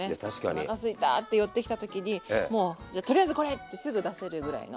おなかすいたって寄ってきた時にもうじゃあとりあえずこれってすぐ出せるぐらいの。